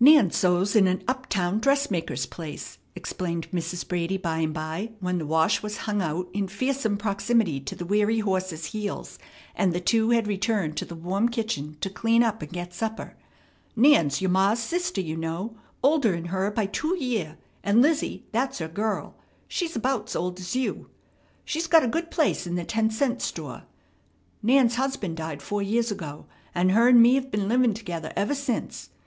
"Nan sews in an up town dressmaker's place," explained Mrs. Brady by and by, when the wash was hung out in fearsome proximity to the weary horse's heels, and the two had returned to the warm kitchen to clean up and get supper. "Nan's your ma's sister, you know, older'n her by two year; and Lizzie, that's her girl, she's about 's old 's you. She's got a good place in the ten cent store. Nan's husband died four years ago, and her and me've been livin' together ever since.